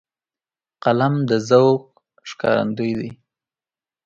قلم د ذوق ښکارندوی دی